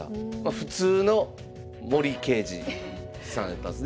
普通の森二さんやったんですね。